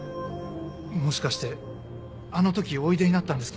もしかしてあの時おいでになったんですか？